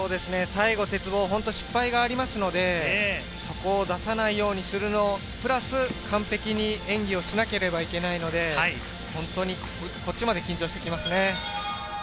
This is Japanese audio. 最後、鉄棒、本当に失敗がありますので、そこを出さないようにするのプラス、完璧に演技をしなければいけないので、本当にこっちまで緊張してきますね。